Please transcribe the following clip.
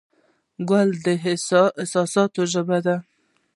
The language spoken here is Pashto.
ګل د احساساتو ژبه ده.